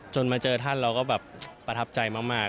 มาเจอท่านเราก็แบบประทับใจมาก